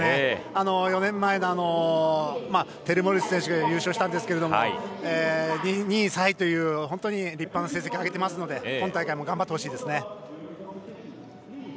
４年前テレモリス選手が優勝したんですけど２位３位という、本当に立派な成績上げてますので今大会も頑張ってほしいです。